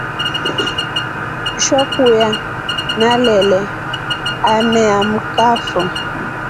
Shokuya nalele ameamkafo.